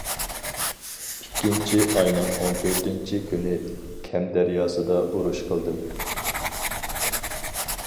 ئىككىنچى ئاينىڭ ئون تۆتىنچى كۈنى كەم دەرياسىدا ئۇرۇش قىلدىم.